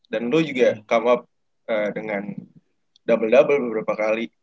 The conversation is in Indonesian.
dan lu juga come up dengan double double beberapa kali